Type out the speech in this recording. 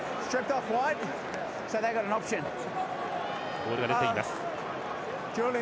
ボールが出ています。